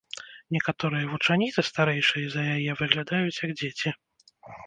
Некаторыя вучаніцы, старэйшыя за яе, выглядаюць, як дзеці.